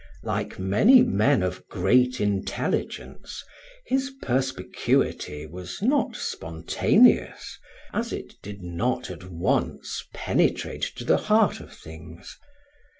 Like many men of great intelligence, his perspicuity was not spontaneous, as it did not at once penetrate to the heart of things.